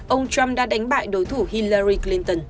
ông trump đã đánh bại đối thủ hillary clinton